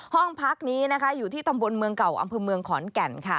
ห้องพักนี้นะคะอยู่ที่ตำบลเมืองเก่าอำเภอเมืองขอนแก่นค่ะ